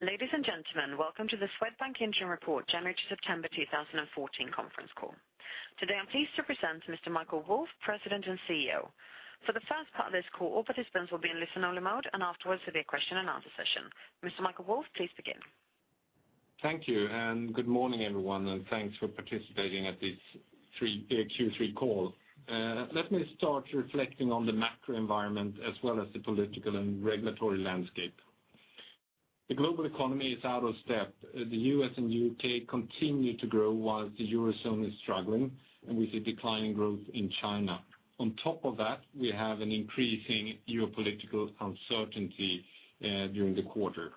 Ladies and gentlemen, welcome to the Swedbank Interim Report, January to September 2014 conference call. Today, I'm pleased to present Mr. Michael Wolf, President and CEO. For the first part of this call, all participants will be in listen-only mode, and afterwards there'll be a question-and-answer session. Mr. Michael Wolf, please begin. Thank you, and good morning, everyone, and thanks for participating at this three Q3 call. Let me start reflecting on the macro environment as well as the political and regulatory landscape. The global economy is out of step. The U.S. and U.K. continue to grow while the Eurozone is struggling, and we see declining growth in China. On top of that, we have an increasing geopolitical uncertainty during the quarter.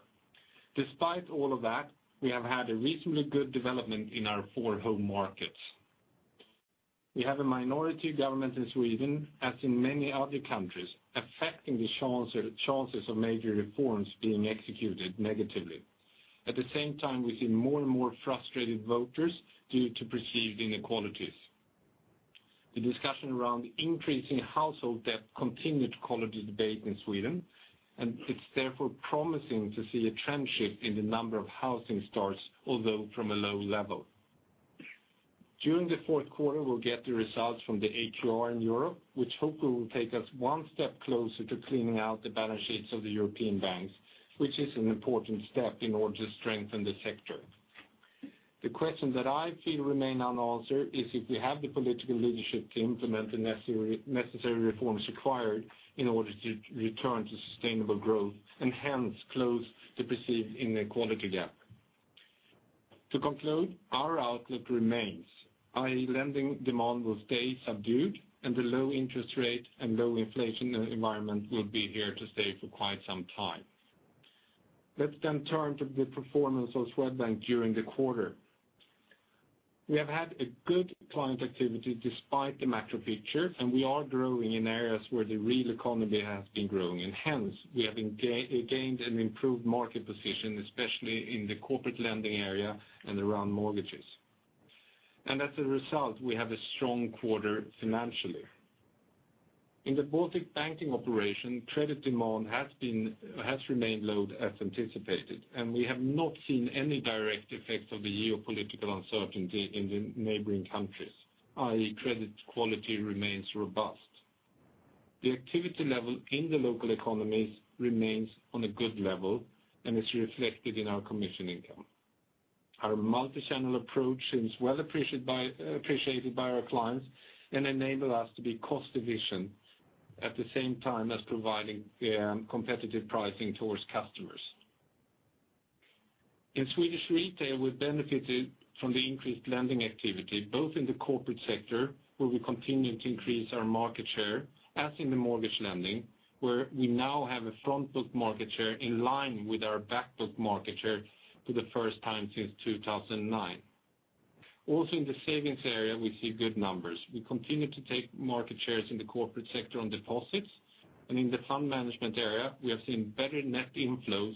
Despite all of that, we have had a reasonably good development in our four home markets. We have a minority government in Sweden, as in many other countries, affecting the chances of major reforms being executed negatively. At the same time, we see more and more frustrated voters due to perceived inequalities. The discussion around increasing household debt continued to qualify the debate in Sweden, and it's therefore promising to see a trend shift in the number of housing starts, although from a low level. During the fourth quarter, we'll get the results from the AQR in Europe, which hopefully will take us one step closer to cleaning out the balance sheets of the European banks, which is an important step in order to strengthen the sector. The question that I feel remain unanswered is if we have the political leadership to implement the necessary reforms required in order to return to sustainable growth and hence close the perceived inequality gap. To conclude, our outlook remains, i.e., lending demand will stay subdued, and the low interest rate and low inflation environment will be here to stay for quite some time. Let's then turn to the performance of Swedbank during the quarter. We have had a good client activity despite the macro picture, and we are growing in areas where the real economy has been growing, and hence, we have gained an improved market position, especially in the corporate lending area and around mortgages. As a result, we have a strong quarter financially. In the Baltic Banking operation, credit demand has remained low as anticipated, and we have not seen any direct effects of the geopolitical uncertainty in the neighboring countries, i.e., credit quality remains robust. The activity level in the local economies remains on a good level and is reflected in our commission income. Our multi-channel approach is well appreciated by our clients and enables us to be cost efficient at the same time as providing competitive pricing towards customers. In Swedish retail, we've benefited from the increased lending activity, both in the corporate sector, where we continue to increase our market share, as in the mortgage lending, where we now have a front book market share in line with our back book market share for the first time since 2009. Also, in the savings area, we see good numbers. We continue to take market shares in the corporate sector on deposits, and in the fund management area, we have seen better net inflows,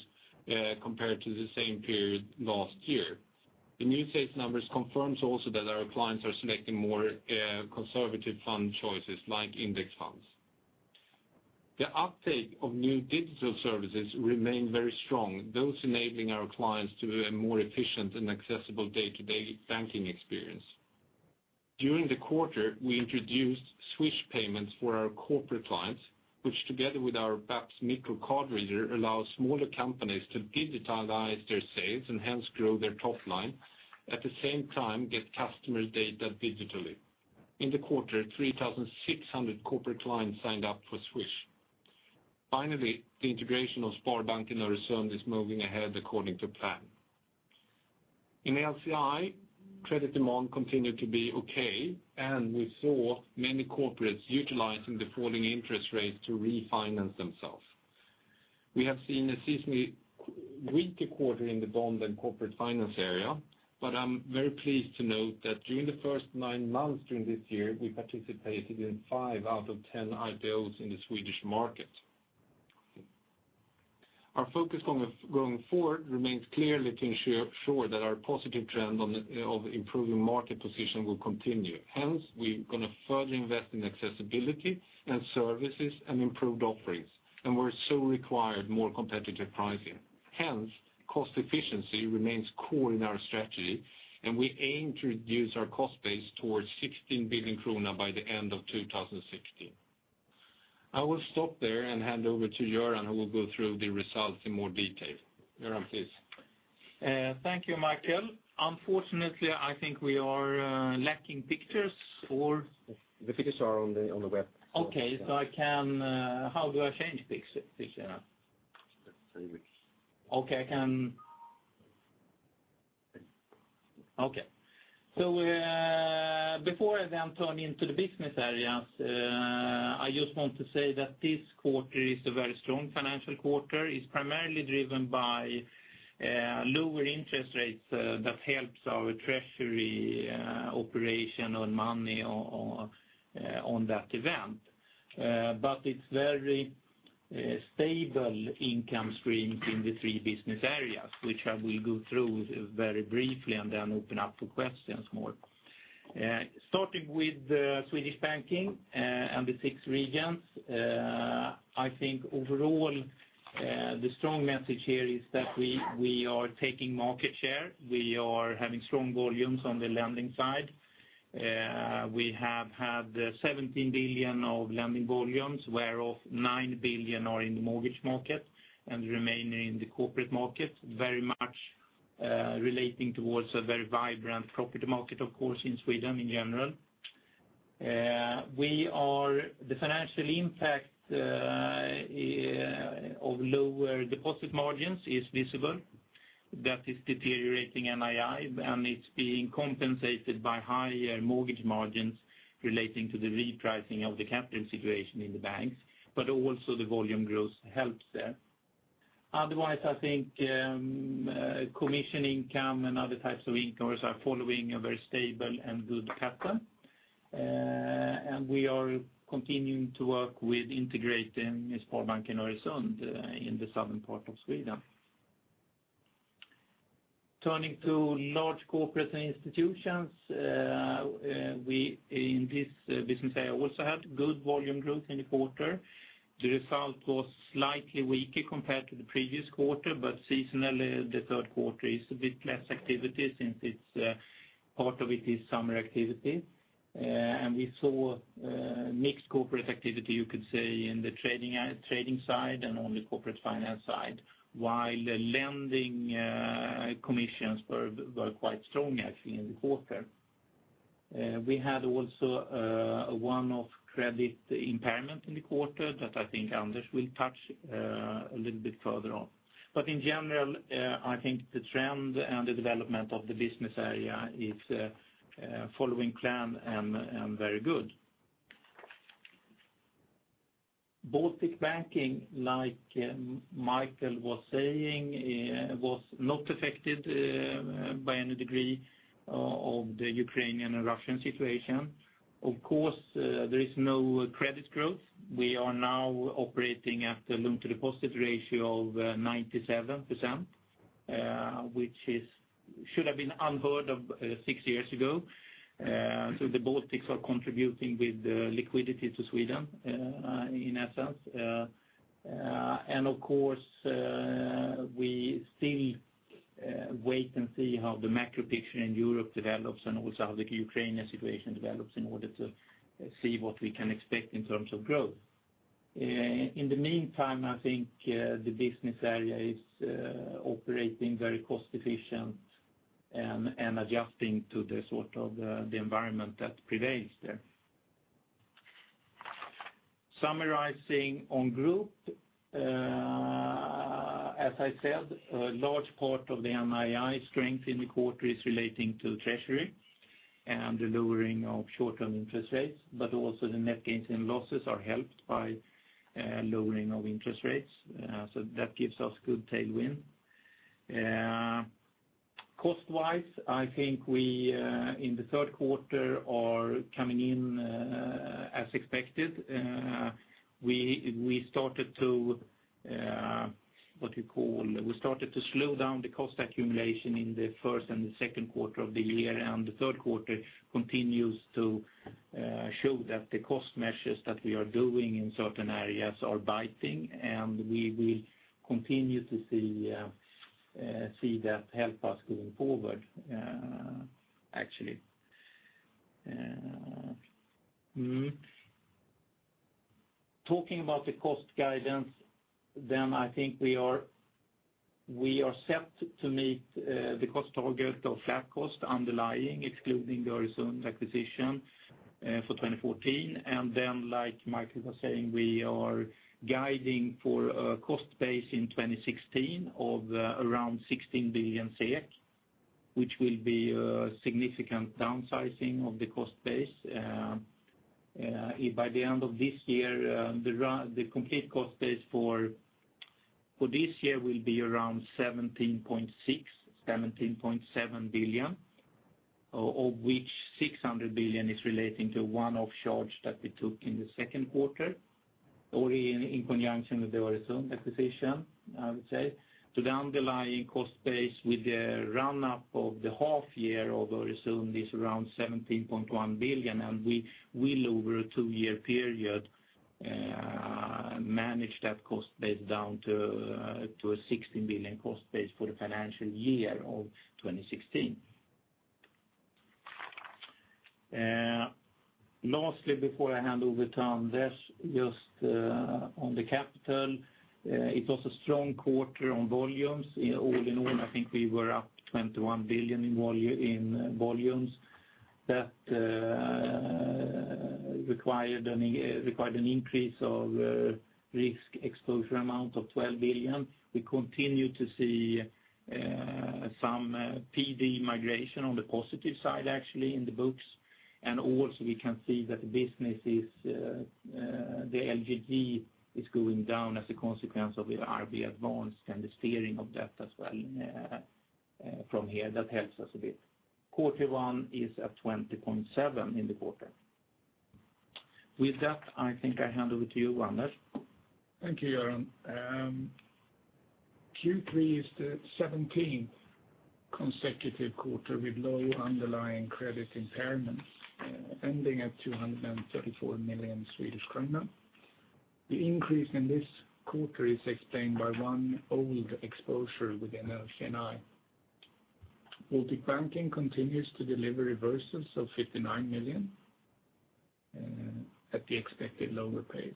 compared to the same period last year. The new sales numbers confirms also that our clients are selecting more, conservative fund choices, like index funds. The uptake of new digital services remain very strong, those enabling our clients to a more efficient and accessible day-to-day banking experience. During the quarter, we introduced Swish payments for our corporate clients, which together with our PAPS Micro card reader, allows smaller companies to digitize their sales and hence grow their top line, at the same time, get customer data digitally. In the quarter, 3,600 corporate clients signed up for Swish. Finally, the integration of Sparbanken Öresund is moving ahead according to plan. In LCI, credit demand continued to be okay, and we saw many corporates utilizing the falling interest rates to refinance themselves. We have seen a seasonally weaker quarter in the bond and corporate finance area, but I'm very pleased to note that during the first nine months during this year, we participated in five out of 10 IPOs in the Swedish market. Our focus going forward remains clearly to ensure that our positive trend of improving market position will continue. Hence, we're going to further invest in accessibility and services and improved offerings, and we're also required more competitive pricing. Hence, cost efficiency remains core in our strategy, and we aim to reduce our cost base towards 16 billion krona by the end of 2016. I will stop there and hand over to Göran, who will go through the results in more detail. Göran, please. Thank you, Michael. Unfortunately, I think we are lacking pictures or? The pictures are on the web. Okay, so I can. How do I change picture? Let's see. Okay. So, before I then turn into the business areas, I just want to say that this quarter is a very strong financial quarter. It's primarily driven by lower interest rates that helps our treasury operation on money on, on that event. But it's very stable income stream in the three business areas, which I will go through very briefly and then open up for questions more. Yeah, starting with the Swedish Banking and the six regions, I think overall the strong message here is that we are taking market share. We are having strong volumes on the lending side. We have had 17 billion of lending volumes, whereof 9 billion are in the mortgage market and remaining in the corporate market, very much relating towards a very vibrant property market, of course, in Sweden in general. The financial impact of lower deposit margins is visible. That is deteriorating NII, and it's being compensated by higher mortgage margins relating to the repricing of the capital situation in the banks, but also the volume growth helps there. Otherwise, I think, commission income and other types of incomes are following a very stable and good pattern. And we are continuing to work with integrating Sparbanken Öresund in the southern part of Sweden. Turning to large corporate institutions, we in this business area also had good volume growth in the quarter. The result was slightly weaker compared to the previous quarter, but seasonally, the third quarter is a bit less activity since it's part of it is summer activity. And we saw mixed corporate activity, you could say, in the trading, trading side and on the corporate finance side, while the lending commissions were quite strong actually in the quarter. We had also a one-off credit impairment in the quarter that I think Anders will touch a little bit further on. But in general, I think the trend and the development of the business area is following plan and very good. Baltic Banking, like Michael was saying, was not affected by any degree of the Ukrainian and Russian situation. Of course, there is no credit growth. We are now operating at the loan-to-deposit ratio of 97%, which should have been unheard of six years ago. So the Baltics are contributing with the liquidity to Sweden, in essence. And of course, we still wait and see how the macro picture in Europe develops and also how the Ukrainian situation develops in order to see what we can expect in terms of growth. In the meantime, I think the business area is operating very cost efficient and adjusting to the sort of the environment that prevails there. Summarizing on group, as I said, a large part of the NII strength in the quarter is relating to treasury and the lowering of short-term interest rates, but also the net gains and losses are helped by lowering of interest rates, so that gives us good tailwind. Cost-wise, I think we in the third quarter are coming in as expected. We, we started to, what you call, we started to slow down the cost accumulation in the first and the second quarter of the year, and the third quarter continues to show that the cost measures that we are doing in certain areas are biting, and we will continue to see that help us going forward, actually. Talking about the cost guidance, then I think we are, we are set to meet the cost target of flat cost underlying, excluding the recent acquisition, for 2014. And then, like Michael was saying, we are guiding for a cost base in 2016 of around 16 billion, which will be a significant downsizing of the cost base. By the end of this year, the complete cost base for this year will be around 17.6 billion-17.7 billion, of which 600 billion is relating to a one-off charge that we took in the second quarter, or in conjunction with the Öresund acquisition, I would say. So the underlying cost base with the run-up of the half year of Öresund is around 17.1 billion, and we will, over a two-year period, manage that cost base down to a 16 billion cost base for the financial year of 2016. Lastly, before I hand over to Anders, just on the capital, it was a strong quarter on volumes. All in all, I think we were up 21 billion in volumes. That required an increase of risk exposure amount of 12 billion. We continue to see some PD Migration on the positive side, actually, in the books. And also, we can see that the business is, the LGD is going down as a consequence of the IRB Advanced and the Steering of that as well, from here. That helps us a bit. Quarter one is at 20.7 billion in the quarter... With that, I think I hand over to you, Anders. Thank you, Göran. Q3 is the 17 consecutive quarter with low underlying credit impairments, ending at 234 million Swedish kronor. The increase in this quarter is explained by one old exposure within LC&I. Baltic Banking continues to deliver reversals of 59 million, at the expected lower pace.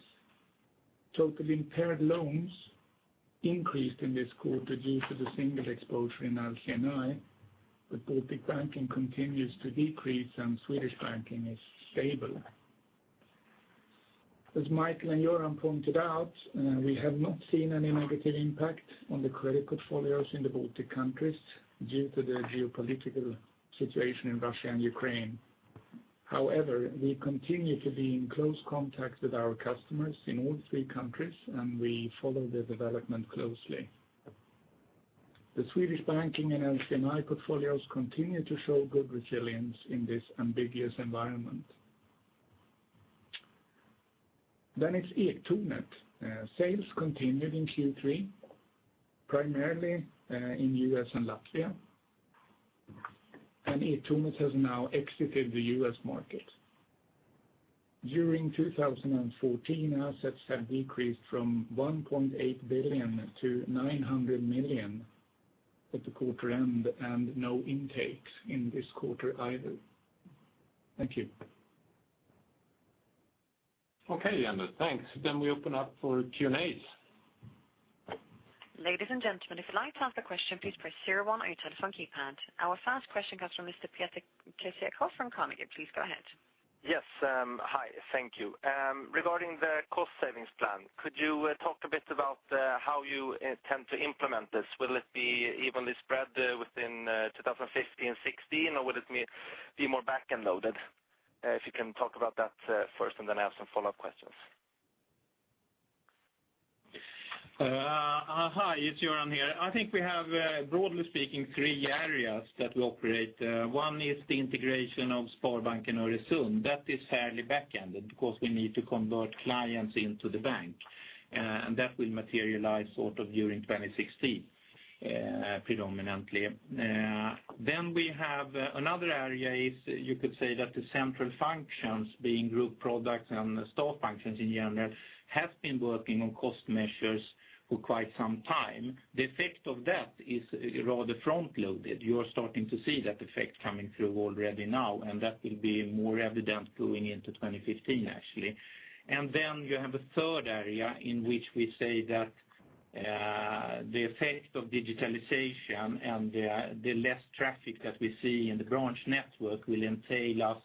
Total impaired loans increased in this quarter due to the single exposure in LC&I, but Baltic Banking continues to decrease, and Swedish Banking is stable. As Michael and Göran pointed out, we have not seen any negative impact on the credit portfolios in the Baltic countries due to the geopolitical situation in Russia and Ukraine. However, we continue to be in close contact with our customers in all three countries, and we follow the development closely. The Swedish Banking and LC&I portfolios continue to show good resilience in this ambiguous environment. Then it's Ektornet. Sales continued in Q3, primarily in U.S. and Latvia, and Ektornethas now exited the U.S. market. During 2014, assets have decreased from 1.8 billion to 900 million at the quarter end, and no intakes in this quarter either. Thank you. Okay, Anders, thanks. Then we open up for Q&As. Ladies and gentlemen, if you'd like to ask a question, please press zero-one on your telephone keypad. Our first question comes from Mr. Peter Kessiakoff from Carnegie. Please go ahead. Yes, hi, thank you. Regarding the cost savings plan, could you talk a bit about how you intend to implement this? Will it be evenly spread within 2015 and 2016, or will it be more back-end loaded? If you can talk about that first, and then I have some follow-up questions. Hi, it's Göran here. I think we have, broadly speaking, three areas that we operate. One is the integration of Sparbanken Öresund. That is fairly back-ended because we need to convert clients into the bank, and that will materialize sort of during 2016, predominantly. Then we have another area is, you could say that the central functions, being group products and staff functions in general, have been working on cost measures for quite some time. The effect of that is rather front-loaded. You are starting to see that effect coming through already now, and that will be more evident going into 2015, actually. And then you have a third area in which we say that, the effect of digitalization and the less traffic that we see in the branch network will entail us,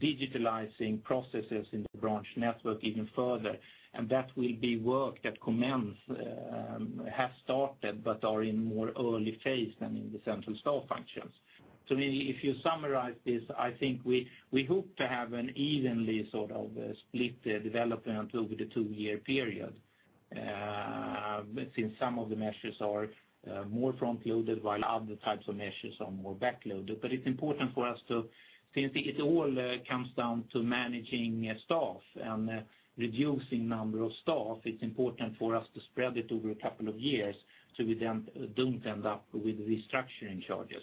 digitalizing processes in the branch network even further. And that will be work that commence, have started, but are in more early phase than in the central staff functions. So if you summarize this, I think we, we hope to have an evenly sort of, split development over the two-year period. Since some of the measures are, more front-loaded, while other types of measures are more back-loaded. But it's important for us to- since it all comes down to managing staff and reducing number of staff, it's important for us to spread it over a couple of years, so we then don't end up with restructuring charges.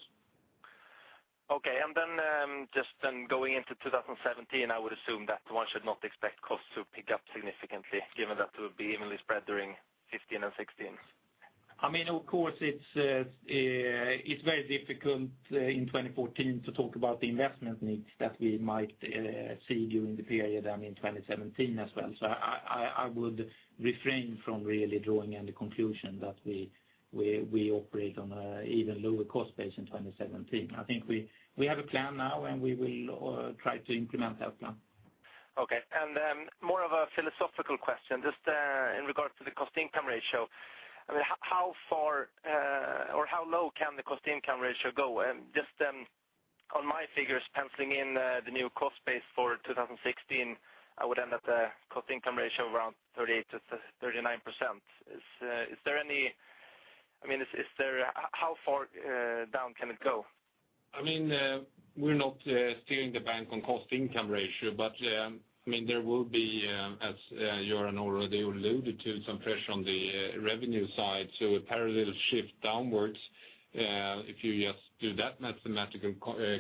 Okay, and then, just then going into 2017, I would assume that one should not expect costs to pick up significantly, given that to be evenly spread during 2015 and 2016. I mean, of course, it's very difficult in 2014 to talk about the investment needs that we might see during the period, I mean, 2017 as well. So I would refrain from really drawing any conclusion that we operate on a even lower cost base in 2017. I think we have a plan now, and we will try to implement that plan. Okay. And, more of a philosophical question, just, in regards to the cost-income ratio. I mean, how far, or how low can the cost-income ratio go? And just, on my figures, penciling in, the new cost base for 2016, I would end up the cost-income ratio around 38%-39%. Is, is there any, I mean, is there, how far, down can it go? I mean, we're not steering the bank on cost-income ratio, but I mean, there will be, as Göran already alluded to, some pressure on the revenue side. So a parallel shift downwards, if you just do that mathematical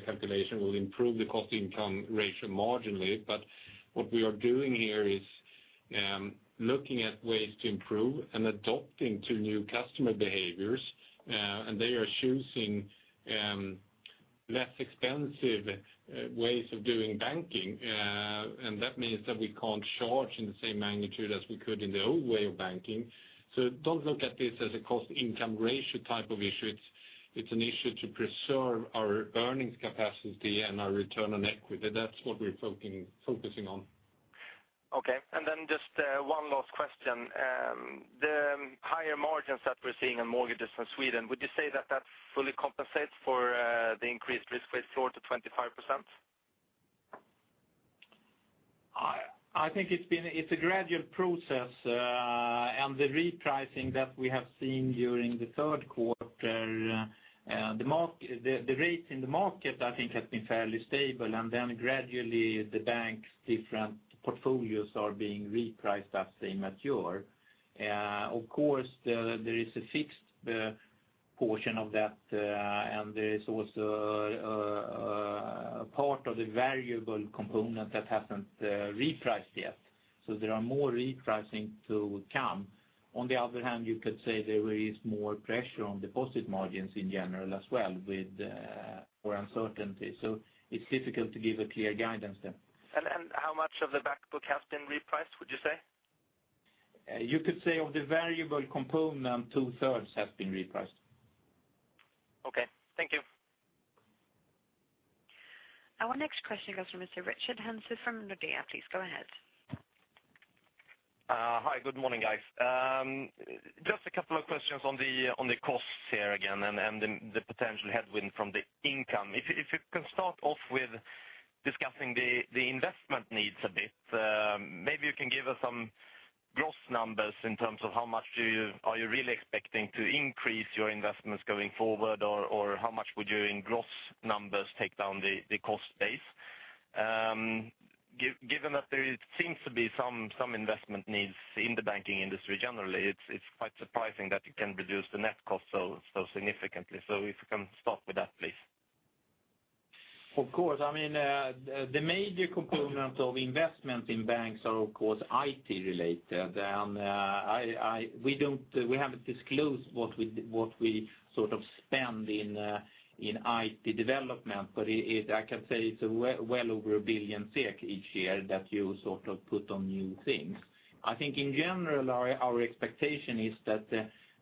calculation, will improve the cost-income ratio marginally. But what we are doing here is looking at ways to improve and adapting to new customer behaviors, and they are choosing less expensive ways of doing banking. And that means that we can't charge in the same magnitude as we could in the old way of banking. So don't look at this as a cost-income ratio type of issue. It's an issue to preserve our earnings capacity and our return on equity. That's what we're focusing on. Okay. And then just one last question. The higher margins that we're seeing in mortgages in Sweden, would you say that that fully compensates for the increased risk weight floor to 25%? I think it's been a gradual process, and the repricing that we have seen during the third quarter. After the market rates, I think, has been fairly stable, and then gradually the bank's different portfolios are being repriced as they mature. Of course, there is a fixed portion of that, and there is also a part of the variable component that hasn't repriced yet. So there are more repricing to come. On the other hand, you could say there is more pressure on deposit margins in general as well with more uncertainty. So it's difficult to give a clear guidance then. How much of the back book has been repriced, would you say? You could say of the variable component, two-thirds has been repriced. Okay. Thank you. Our next question comes from Mr. Richard Jansen from Nordea. Please go ahead. Hi, good morning, guys. Just a couple of questions on the costs here again, and the potential headwind from the income. If you can start off with discussing the investment needs a bit, maybe you can give us some gross numbers in terms of how much, are you really expecting to increase your investments going forward? Or how much would you in gross numbers take down the cost base? Given that there seems to be some investment needs in the banking industry generally, it's quite surprising that you can reduce the net cost so significantly. So if you can start with that, please. Of course. I mean, the major component of investment in banks are, of course, IT related, and we haven't disclosed what we sort of spend in IT development, but it, I can say it's well over 1 billion SEK each year that you sort of put on new things. I think in general, our expectation is that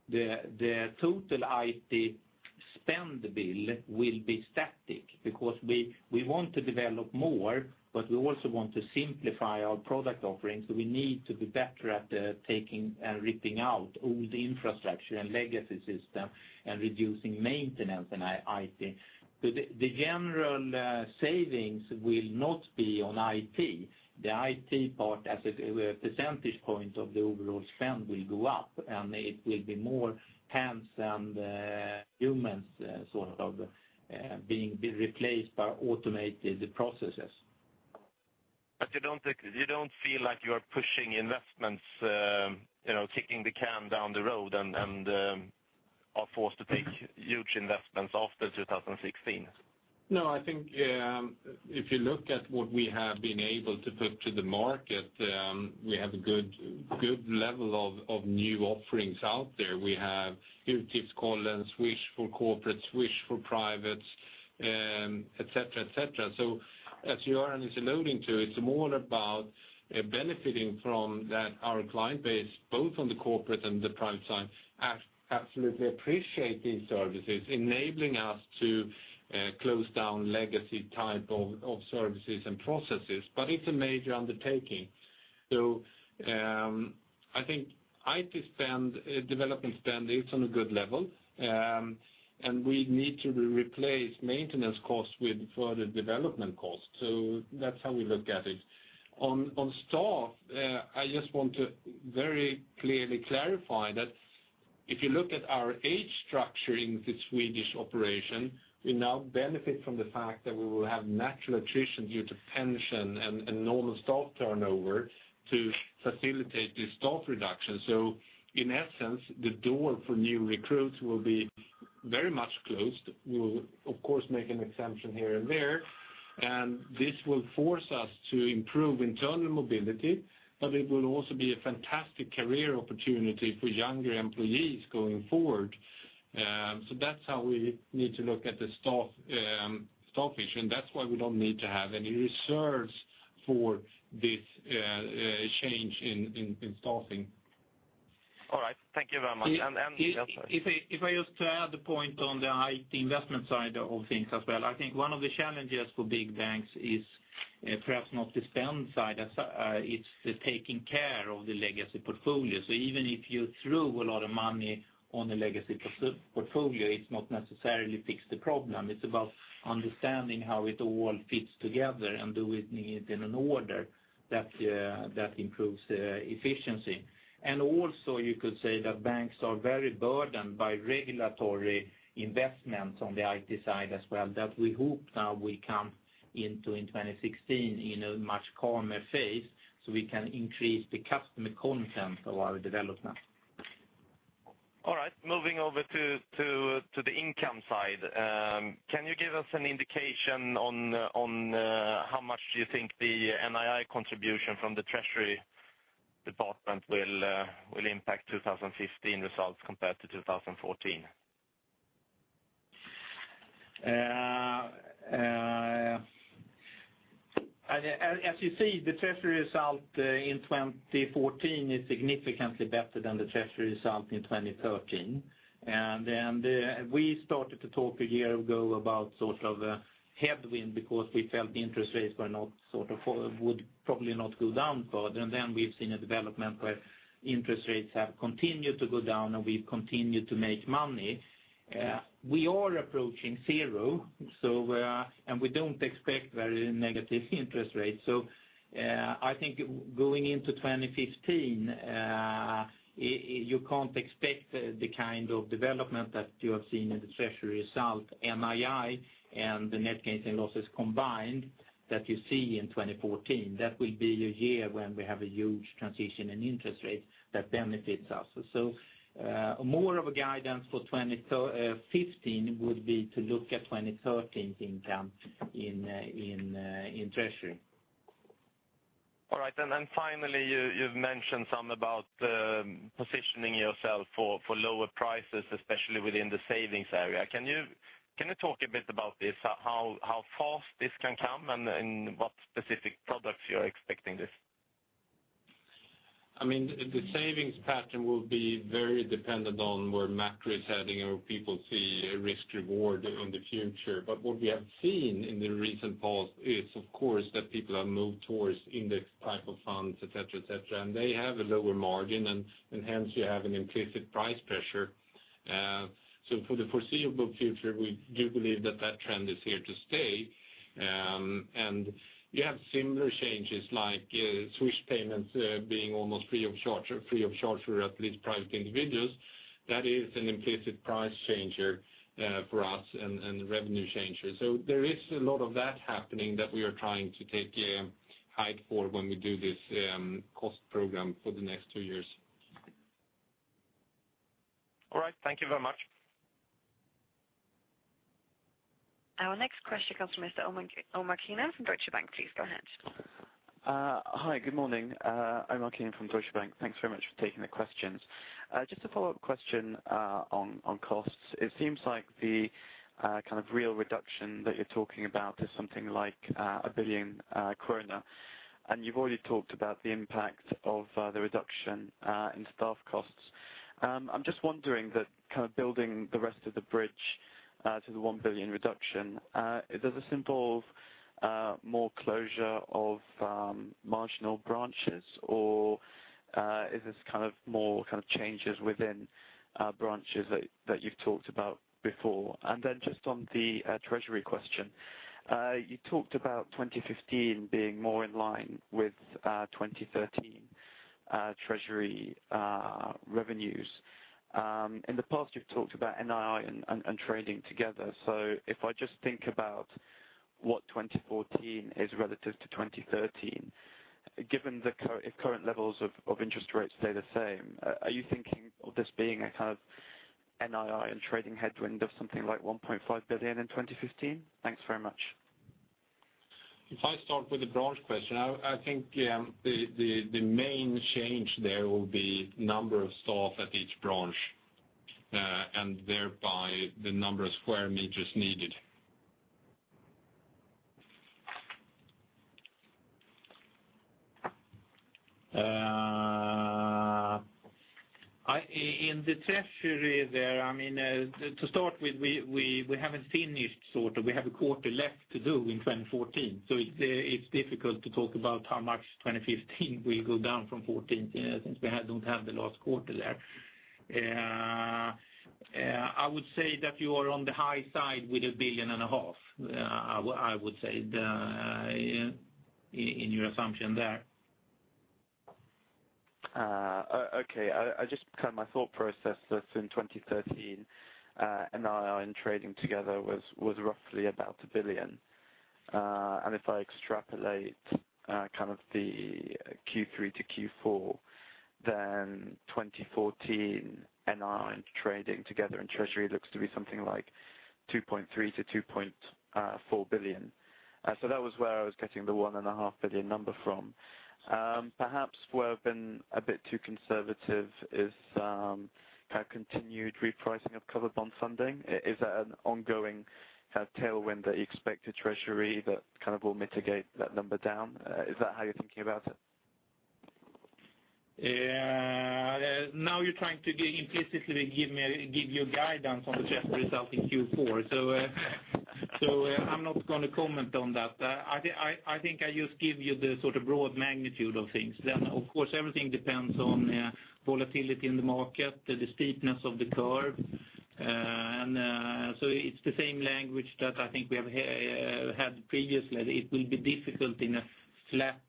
the total IT spend bill will be static because we want to develop more, but we also want to simplify our product offerings, so we need to be better at, taking and ripping out old infrastructure and legacy system and reducing maintenance in IT. The general, savings will not be on IT. The IT part, as a percentage point of the overall spend, will go up, and it will be more hands and humans sort of being replaced by automated processes. But you don't think, you don't feel like you are pushing investments, you know, kicking the can down the road and are forced to take huge investments after 2016? No, I think, if you look at what we have been able to put to the market, we have a good level of new offerings out there. We have new tips, Kollen, Swish for Corporate, Swish for Privates, etc. So as Göran is alluding to, it's more about, benefiting from that our client base, both on the corporate and the private side, absolutely appreciate these services, enabling us to, close down legacy type of services and processes, but it's a major undertaking. So, I think IT spend, development spend, it's on a good level, and we need to replace maintenance costs with further development costs. So that's how we look at it. I just want to very clearly clarify that if you look at our age structure in the Swedish operation, we now benefit from the fact that we will have natural attrition due to pension and normal staff turnover to facilitate this staff reduction. So in essence, the door for new recruits will be very much closed. We will, of course, make an exception here and there, and this will force us to improve internal mobility, but it will also be a fantastic career opportunity for younger employees going forward. So that's how we need to look at the staff issue, and that's why we don't need to have any reserves for this change in staffing. All right. Thank you very much. If I just add the point on the IT investment side of things as well, I think one of the challenges for big banks is perhaps not the spend side, as it's the taking care of the legacy portfolio. So even if you threw a lot of money on the legacy portfolio, it's not necessarily fixed the problem. It's about understanding how it all fits together and do it need in an order that improves efficiency. And also, you could say that banks are very burdened by regulatory investments on the IT side as well, that we hope now we come into in 2016 in a much calmer phase, so we can increase the customer content of our development. All right. Moving over to the income side, can you give us an indication on how much do you think the NII contribution from the treasury department will impact 2015 results compared to 2014? As you see, the treasury result in 2014 is significantly better than the treasury result in 2013. We started to talk a year ago about sort of a headwind because we felt the interest rates were not sort of would probably not go down further, and then we've seen a development where interest rates have continued to go down, and we've continued to make money. We are approaching zero, so and we don't expect very negative interest rates. I think going into 2015, you can't expect the kind of development that you have seen in the treasury result, NII, and the net gains and losses combined that you see in 2014. That will be a year when we have a huge transition in interest rates that benefits us. More of a guidance for 2015 would be to look at 2013 income in treasury. All right, and then finally, you've mentioned some about, positioning yourself for lower prices, especially within the savings area. Can you talk a bit about this? How fast this can come? And what specific products you're expecting this? I mean, the savings pattern will be very dependent on where macro is heading or people see a risk reward in the future. But what we have seen in the recent past is, of course, that people have moved towards index type of funds, etc. and they have a lower margin, and, and hence you have an implicit price pressure. So for the foreseeable future, we do believe that that trend is here to stay. And you have similar changes like, Swish payments, being almost free of charge, free of charge for at least private individuals. That is an implicit price changer, for us, and revenue changer. So there is a lot of that happening that we are trying to take a hike for when we do this, cost program for the next two years. All right. Thank you very much. Our next question comes from Mr. Omar Keenan from Deutsche Bank. Please go ahead. Hi, good morning. Omar Keenan from Deutsche Bank. Thanks very much for taking the questions. Just a follow-up question on costs. It seems like the kind of real reduction that you're talking about is something like 1 billion krona, and you've already talked about the impact of the reduction in staff costs. I'm just wondering that kind of building the rest of the bridge to the 1 billion reduction, does this involve more closure of marginal branches? Or is this kind of more kind of changes within branches that you've talked about before? And then just on the treasury question, you talked about 2015 being more in line with 2013 treasury revenues. In the past, you've talked about NII and trading together. So if I just think about what 2014 is relative to 2013, given the current levels of interest rates stay the same, are you thinking of this being a kind of NII and trading headwind of something like 1.5 billion in 2015? Thanks very much. If I start with the branch question, I think the main change there will be the number of staff at each branch and thereby the number of square meters needed. In the treasury there, I mean, to start with, we haven't finished, sort of, we have a quarter left to do in 2014, so it's difficult to talk about how much 2015 will go down from 2014, since we don't have the last quarter there. I would say that you are on the high side with 1.5 billion. I would say in your assumption there. Okay, I just kind of my thought process was in 2013, NII and trading together was roughly about 1 billion. And if I extrapolate, kind of the Q3 to Q4, then 2014 NII and trading together in treasury looks to be something like 2.3 billion-2.4 billion. So that was where I was getting the 1.5 billion number from. Perhaps where I've been a bit too conservative is continued repricing of covered bond funding. Is that an ongoing kind of tailwind that you expect the treasury that kind of will mitigate that number down? Is that how you're thinking about it? Now you're trying to get implicitly give you a guidance on the treasury result in Q4. So I'm not going to comment on that. I think I just give you the sort of broad magnitude of things. Then, of course, everything depends on volatility in the market, the steepness of the curve. So it's the same language that I think we have had previously. It will be difficult in a flat,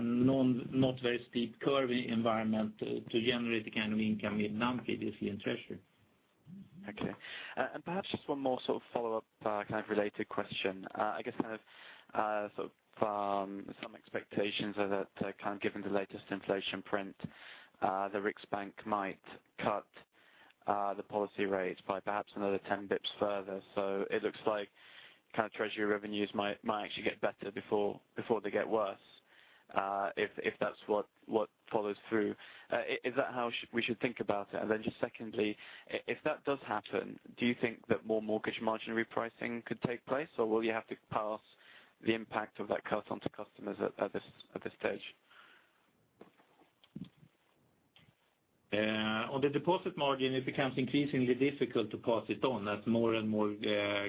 not very steep curve environment to generate the kind of income we've done previously in treasury. Okay. And perhaps just one more sort of follow-up, kind of related question. I guess, kind of, sort of, some expectations are that, kind of given the latest inflation print, the Riksbank might cut the policy rates by perhaps another 10 basis points further. So it looks like kind of treasury revenues might actually get better before they get worse, if that's what follows through. Is that how we should think about it? And then just secondly, if that does happen, do you think that more mortgage margin repricing could take place? will you have to pass the impact of that cut onto customers at this stage? On the deposit margin, it becomes increasingly difficult to pass it on as more and more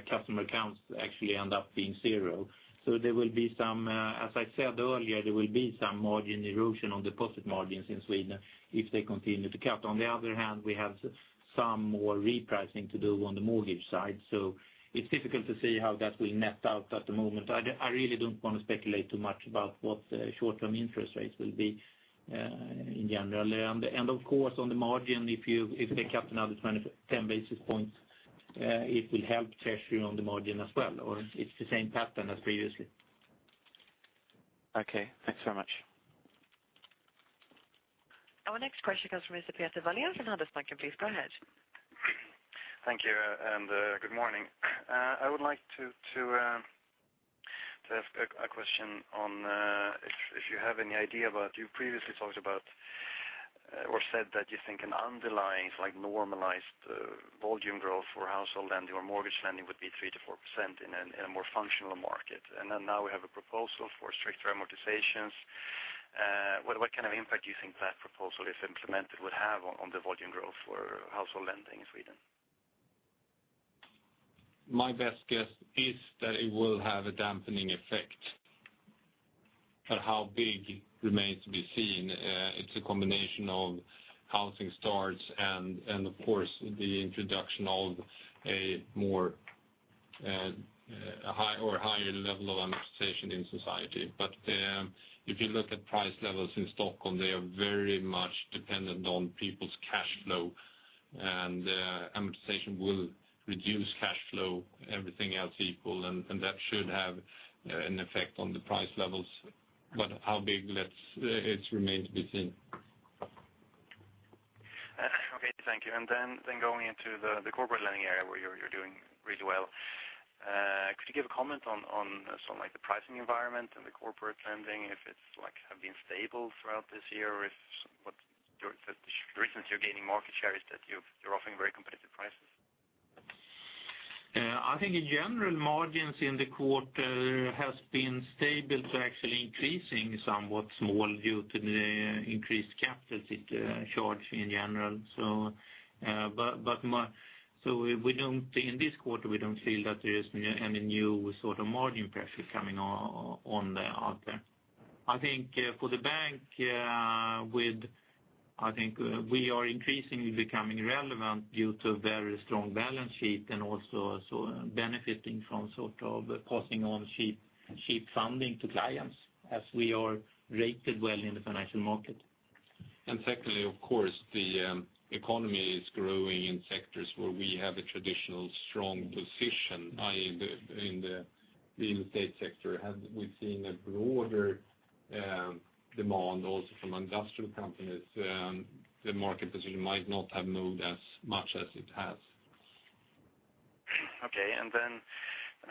customer accounts actually end up being zero. So there will be some. As I said earlier, there will be some margin erosion on deposit margins in Sweden if they continue to cut. On the other hand, we have some more repricing to do on the mortgage side, so it's difficult to see how that will net out at the moment. I really don't want to speculate too much about what short-term interest rates will be in general. And, of course, on the margin, if you, if they cut another 20, 10 basis points, it will help treasury on the margin as well, or it's the same pattern as previously. Okay, thanks so much. Our next question comes from Mr. Peter Wallin from Handelsbanken, please go ahead. Thank you, and good morning. I would like to ask a question on if you have any idea about, you previously talked about or said that you think an underlying, like normalized, volume growth for household and your mortgage lending would be 3%-4% in a more functional market. And then now we have a proposal for stricter amortizations. What kind of impact do you think that proposal, if implemented, would have on the volume growth for household lending in Sweden? My best guess is that it will have a dampening effect. But how big remains to be seen. It's a combination of housing starts and of course, the introduction of a more, a high or higher level of amortization in society. But if you look at price levels in Stockholm, they are very much dependent on people's cash flow, and amortization will reduce cash flow, everything else equal, and that should have an effect on the price levels. But how big, it remains to be seen. Okay, thank you. And then going into the corporate lending area, where you're doing really well? Could you give a comment on some like the pricing environment and the corporate lending? If it's like have been stable throughout this year? If the reason you're gaining market share is that you're offering very competitive prices? I think in general, margins in the quarter has been stable to actually increasing somewhat small due to the increased capital charge in general. So, we don't, in this quarter, we don't feel that there is any new sort of margin pressure coming on, on the out there. I think, for the bank, with, I think, we are increasingly becoming relevant due to very strong balance sheet and also, so benefiting from sort of passing on cheap, cheap funding to clients as we are rated well in the financial market. And secondly, of course, the economy is growing in sectors where we have a traditional strong position, i.e., in the real estate sector. Had we seen a broader demand also from industrial companies, the market position might not have moved as much as it has. Okay. Then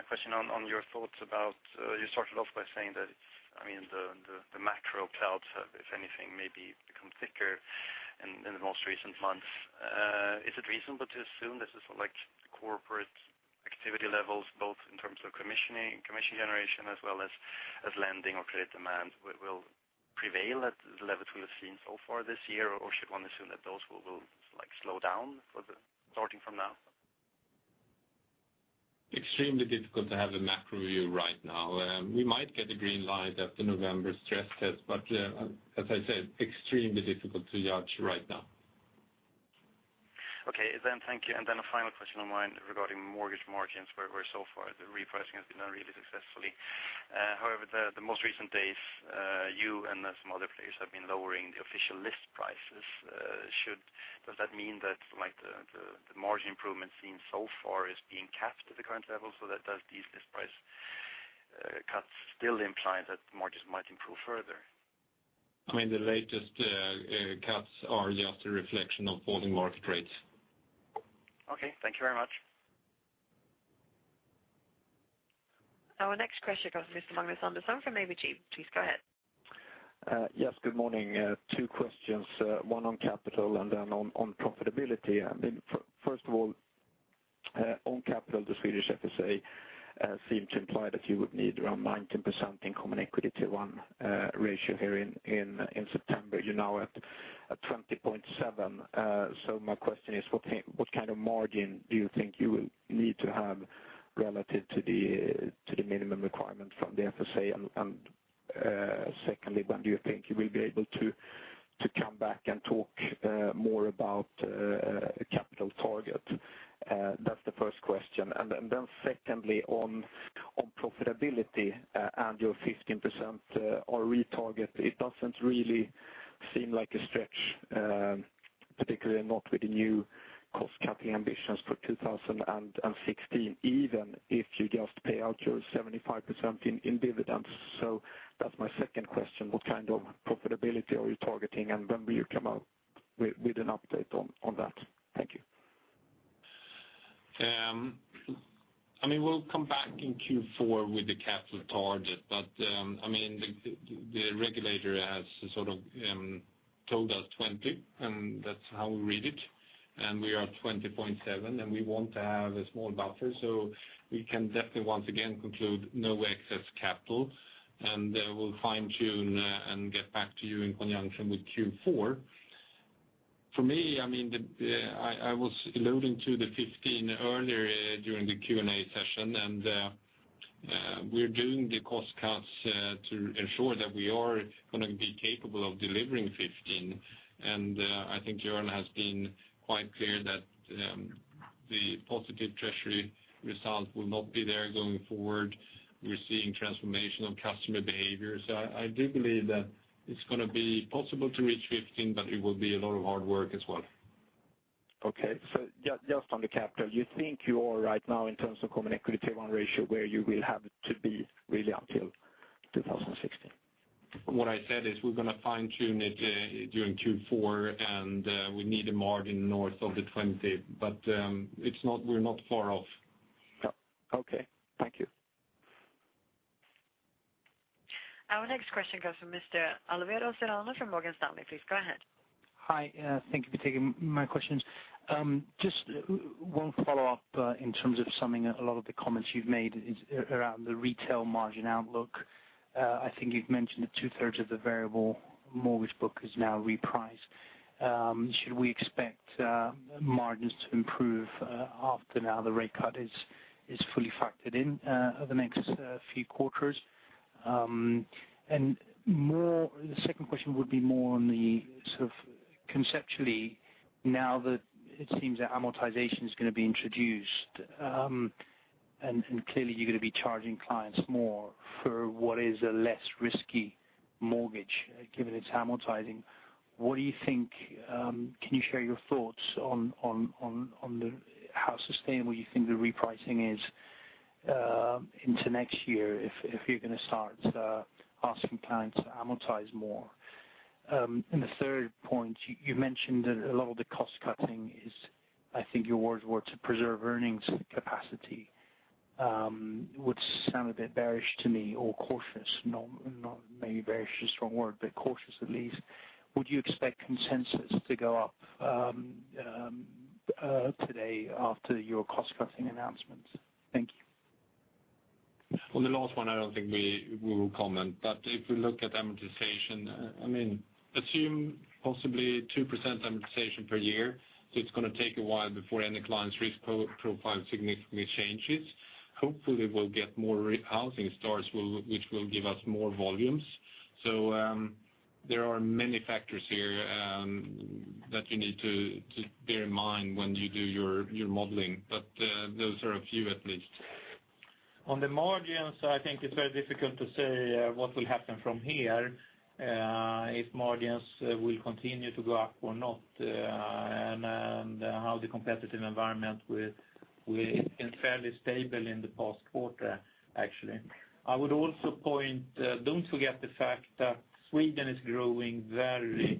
a question on your thoughts about, you started off by saying that it's, I mean, the macro clouds, if anything, maybe become thicker in the most recent months. Is it reasonable to assume this is like corporate activity levels, both in terms of commissioning, commission generation as well as lending or credit demand will prevail at the level we have seen so far this year? Or should one assume that those will, like, slow down for the starting from now? Extremely difficult to have a macro view right now. We might get a green light after November stress test, but, as I said, extremely difficult to judge right now. Okay, then thank you. And then a final question of mine regarding mortgage margins, where so far the repricing has been really successfully. However, the most recent days, you and some other players have been lowering the official list prices. Should does that mean that, like, the margin improvement seen so far is being capped at the current level, so that does these list price cuts still imply that margins might improve further? I mean, the latest cuts are just a reflection of falling market rates. Okay, thank you very much. Our next question comes from Magnus Andersson from ABG. Please go ahead. Yes, good morning. Two questions, one on capital and then on profitability. I mean, first of all, on capital, the Swedish FSA seemed to imply that you would need around 19% in Common Equity Tier 1 ratio here in September. You're now at 20.7%. So my question is, what kind of margin do you think you will need to have relative to the minimum requirement from the FSA? And secondly, when do you think you will be able to come back and talk more about a capital target? That's the first question. And then secondly, on profitability, and your 15% ROE target, it doesn't really seem like a stretch, particularly not with the new cost-cutting ambitions for 2016, even if you just pay out your 75% in dividends. So that's my second question: What kind of profitability are you targeting, and when will you come out with an update on that? Thank you. I mean, we'll come back in Q4 with the capital target, but, I mean, the regulator has sort of told us 20%, and that's how we read it, and we are at 20.7%, and we want to have a small buffer. So we can definitely once again conclude no excess capital, and we'll fine-tune and get back to you in conjunction with Q4. For me, I mean, I was alluding to the 15% earlier during the Q&A session, and we're doing the cost cuts to ensure that we are gonna be capable of delivering 15%. And I think Björn has been quite clear that the positive treasury results will not be there going forward. We're seeing transformation of customer behaviors. I do believe that it's gonna be possible to reach 15%, but it will be a lot of hard work as well. Okay, so just on the capital, you think you are right now in terms of Common Equity Tier 1 ratio, where you will have to be really until 2016? What I said is we're gonna fine-tune it during Q4, and we need a margin north of the 20%, but it's not, we're not far off. Oh, okay. Thank you. Our next question comes from Mr. Alvaro Serrano from Morgan Stanley. Please go ahead. Hi, thank you for taking my questions. Just one follow-up, in terms of summing a lot of the comments you've made is around the retail margin outlook. I think you've mentioned that two-thirds of the variable mortgage book is now repriced. Should we expect margins to improve after now the rate cut is fully factored in over the next few quarters? And more, the second question would be more on the sort of conceptually, now that it seems that amortization is gonna be introduced, and clearly, you're gonna be charging clients more for what is a less risky mortgage, given it's amortizing. What do you think? Can you share your thoughts on the how sustainable you think the repricing is into next year, if you're gonna start asking clients to amortize more? And the third point, you mentioned that a lot of the cost cutting is, I think your words were, to preserve earnings capacity, which sound a bit bearish to me or cautious, not maybe bearish is a strong word, but cautious at least? Would you expect consensus to go up today after your cost-cutting announcements? Thank you. On the last one, I don't think we will comment, but if we look at amortization, I mean, assume possibly 2% amortization per year. So it's gonna take a while before any client's risk profile significantly changes. Hopefully, we'll get more housing starts, which will give us more volumes. So, there are many factors here that you need to bear in mind when you do your modeling, but those are a few at least. On the margins, I think it's very difficult to say what will happen from here, if margins will continue to go up or not, and how the competitive environment with, it's been fairly stable in the past quarter, actually. I would also point, don't forget the fact that Sweden is growing very,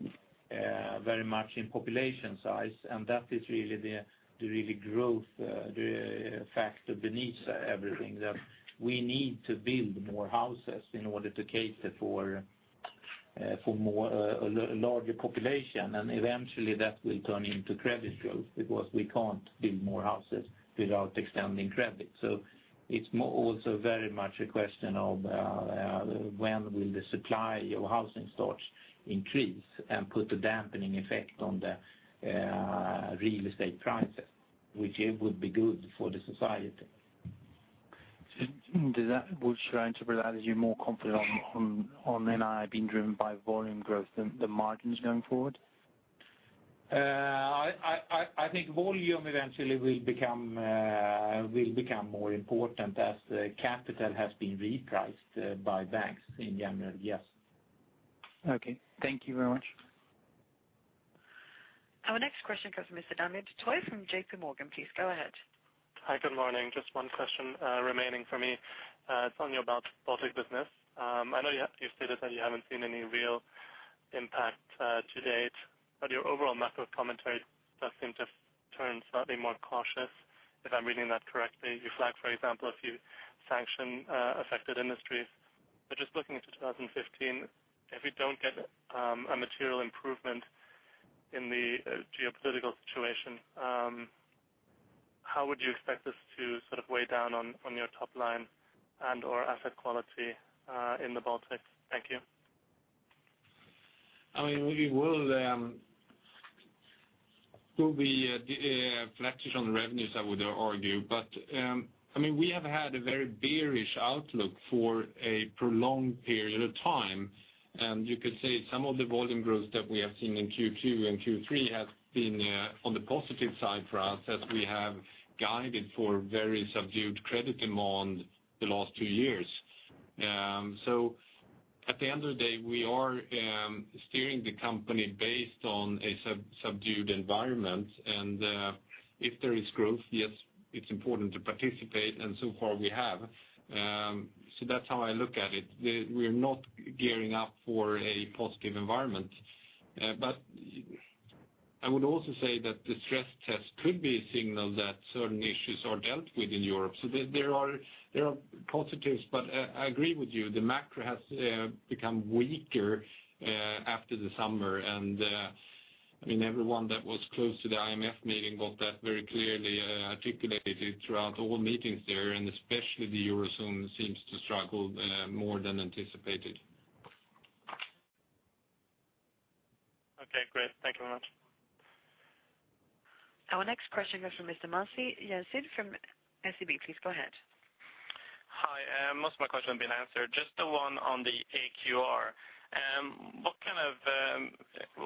very much in population size, and that is really the really growth, the factor beneath everything. That we need to build more houses in order to cater for more, a larger population, and eventually, that will turn into credit growth, because we can't build more houses without extending credit. So it's more also very much a question of when will the supply of housing starts increase and put a dampening effect on the real estate prices, which it would be good for the society. So does that, would you interpret that as you're more confident on NII being driven by volume growth than the margins going forward? I think volume eventually will become more important as the capital has been repriced by banks in general, yes. Okay. Thank you very much. Our next question comes from Mr. Daniel Do-Thoi from JP Morgan. Please go ahead. Hi, good morning. Just one question, remaining for me, it's only about Baltics business. I know you, you stated that you haven't seen any real impact, to date, but your overall macro commentary does seem to turn slightly more cautious, if I'm reading that correctly. You flagged, for example, a few sanction, affected industries. But just looking into 2015, if we don't get, a material improvement in the, geopolitical situation, how would you expect this to sort of weigh down on, on your top line and/or asset quality, in the Baltics? Thank you. I mean, we will be flat-ish on the revenues, I would argue. But, I mean, we have had a very bearish outlook for a prolonged period of time, and you could say some of the volume growth that we have seen in Q2 and Q3 has been on the positive side for us, as we have guided for very subdued credit demand the last two years. So at the end of the day, we are steering the company based on a subdued environment, and if there is growth, yes, it's important to participate, and so far we have. So that's how I look at it. We're not gearing up for a positive environment. But I would also say that the stress test could be a signal that certain issues are dealt with in Europe. So there are positives, but I agree with you, the macro has become weaker after the summer. And I mean, everyone that was close to the IMF meeting got that very clearly articulated throughout all meetings there, and especially the Eurozone seems to struggle more than anticipated. Okay, great. Thank you very much. Our next question goes to Mr. Maryam Mansouri from SEB. Please go ahead. Hi, most of my questions have been answered, just the one on the AQR.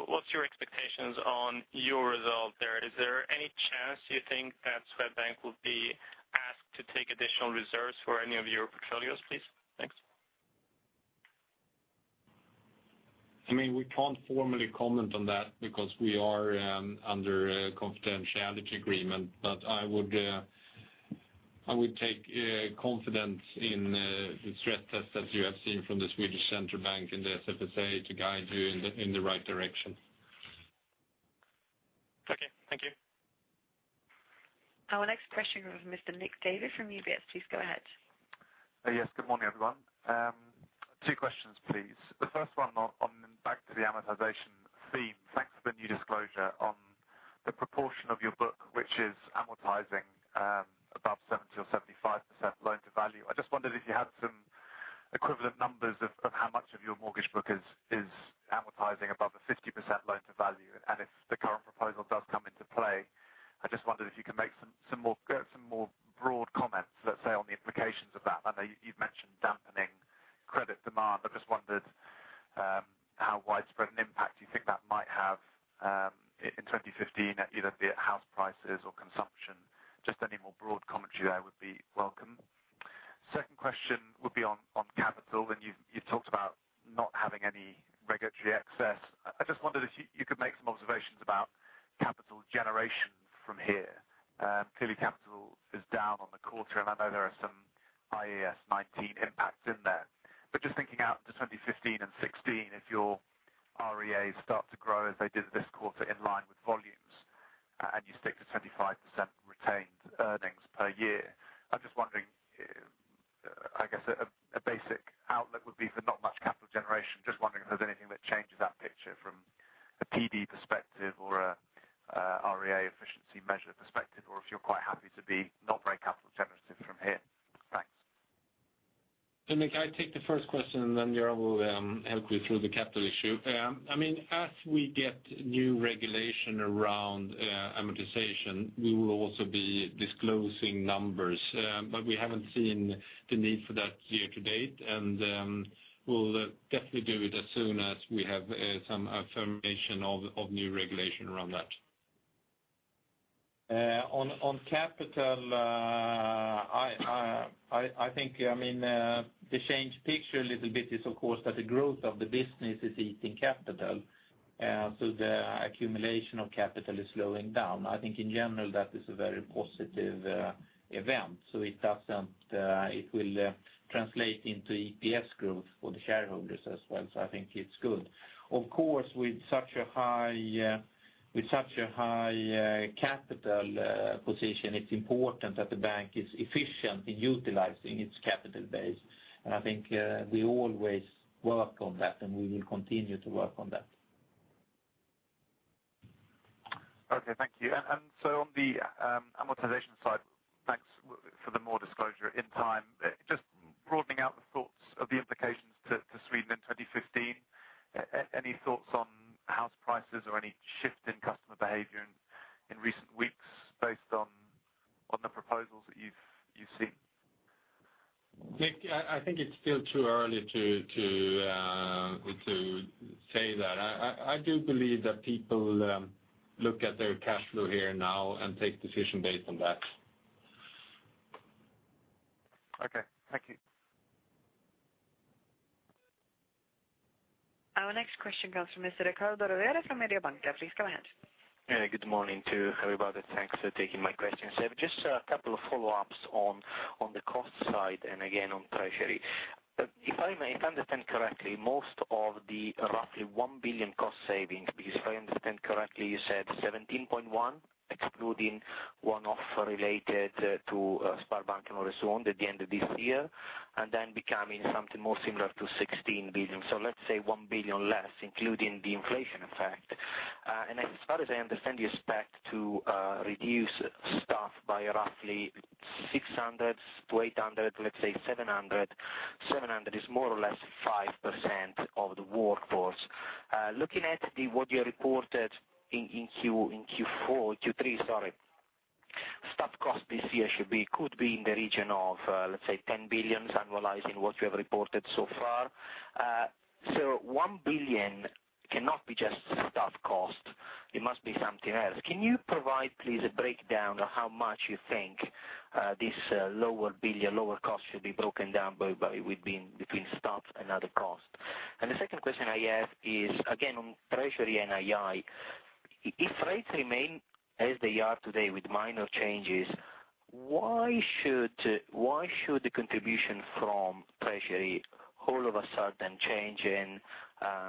What's your expectations on your result there? Is there any chance you think that Swedbank will be asked to take additional reserves for any of your portfolios, please? Thanks. I mean, we can't formally comment on that because we are under a confidentiality agreement. But I would take confidence in the stress test that you have seen from the Swedish Central Bank and the SFSA to guide you in the right direction. Okay, thank you. Our next question comes from Mr. Nick Davey from UBS. Please go ahead. Yes, good morning, everyone. Two questions, please. The first one on back to the amortization theme. Thanks for the new disclosure on the proportion of your book, which is amortizing above 70%-75% loan to value. I just wondered if you had some equivalent numbers of how much of your mortgage book is amortizing above a 50% loan to value? And if the current proposal does come into play, I just wondered if you can make some more, get some more broad comments, let's say, on the implications of that. I know you've mentioned dampening credit demand. I just wondered how widespread an impact you think that might have in 2015, either be it house prices or consumption. Just any more broad commentary there would be welcome. Second question would be on capital. Then you've talked about not having any regulatory access. I just wondered if you could make some observations about capital generation from here. Clearly, capital is down on the quarter, and I know there are some IFRS 9 impacts in there. But just thinking out to 2015 and 2016, if your REAs start to grow as they did this quarter in line with volumes, and you stick to 25% retained earnings per year, I'm just wondering, I guess a basic outlook would be for not much capital generation. Just wondering if there's anything that changes that picture from a PD perspective or a RWA efficiency measure perspective, or if you're quite happy to be not very capital generative from here? Thanks. So Nick, I take the first question, then Göran will help you through the capital issue. I mean, as we get new regulation around amortization, we will also be disclosing numbers, but we haven't seen the need for that year to date, and we'll definitely do it as soon as we have some affirmation of new regulation around that. On capital, I think, I mean, to change picture a little bit is, of course, that the growth of the business is eating capital, so the accumulation of capital is slowing down. I think in general, that is a very positive event. So it doesn't, it will translate into EPS growth for the shareholders as well, so I think it's good. Of course, with such a high, with such a high, capital position, it's important that the bank is efficient in utilizing its capital base, and I think, we always work on that, and we will continue to work on that. Okay, thank you. And so on the amortization side, thanks for the more disclosure in time. Just broadening out the thoughts of the implications to Sweden in 2015, any thoughts on house prices or any shift in customer behavior in recent weeks based on the proposals that you've seen? Nick, I think it's still too early to say that. I do believe that people look at their cash flow here now and take decision based on that. Okay, thank you. Our next question comes from Mr. Riccardo Rovere from Mediobanca. Please go ahead. Good morning to everybody. Thanks for taking my question. So just a couple of follow-ups on the cost side and again on treasury. If I may, if I understand correctly, most of the roughly 1 billion cost savings, because if I understand correctly, you said 17.1 billion, excluding one-off related to Sparbanken Öresund at the end of this year, and then becoming something more similar to 16 billion. So let's say 1 billion less, including the inflation effect. And as far as I understand, you expect to reduce staff by roughly 600-800, let's say 700. 700 is more or less 5% of the workforce. Looking at what you reported in Q3, staff cost this year should be, could be in the region of, let's say, 10 billion, annualizing what you have reported so far. So 1 billion cannot be just staff cost, it must be something else. Can you provide, please, a breakdown of how much you think this lower billion lower cost should be broken down between staff and other costs? And the second question I have is, again, on treasury NII. If rates remain as they are today with minor changes, why should the contribution from treasury all of a sudden change and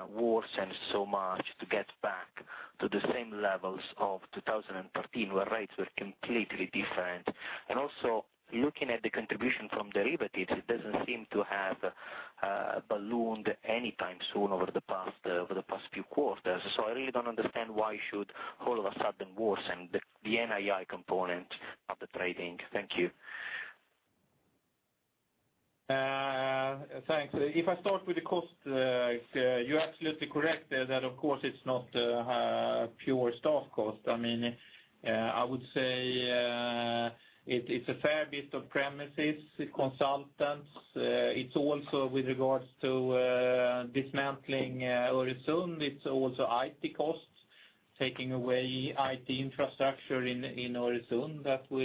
worsen so much to get back to the same levels of 2013, where rates were completely different? And also, looking at the contribution from derivatives, it doesn't seem to have ballooned anytime soon over the past few quarters. So I really don't understand why should all of a sudden worsen the NII component of the trading. Thank you. Thanks. If I start with the cost, you're absolutely correct, that of course, it's not pure staff cost. I mean, I would say it, it's a fair bit of premises, consultants, it's also with regards to dismantling Öresund, it's also IT costs, taking away IT infrastructure in Öresund that will